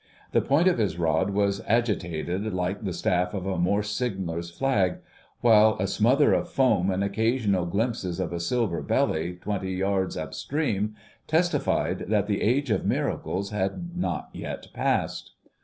The point of his rod was agitated like the staff of a Morse signaller's flag, while a smother of foam and occasional glimpses of a silver belly twenty yards up stream testified that the age of miracles had not yet passed.